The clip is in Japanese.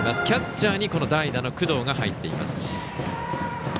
キャッチャーに代打の工藤が入っています。